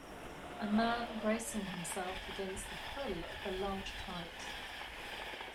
A man bracing himself against the pull of a large kite.